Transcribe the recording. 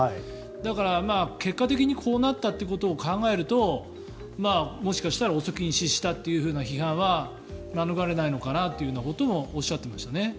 だから、結果的にこうなったということを考えるともしかしたら遅きに失したという批判は免れないのかなというようなこともおっしゃってましたね。